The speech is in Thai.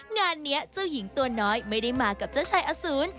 งานนี้เจ้าหญิงตัวน้อยไม่ได้มากับเจ้าชายอสูร